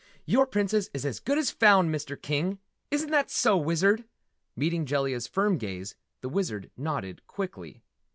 "Your Princess is as good as found, Mister King! Isn't that so, Wizard?" Meeting Jellia's firm gaze, the Wizard nodded quickly.